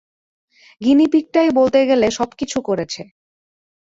গিনিপিগটাই বলতে গেলে সবকিছু করেছে।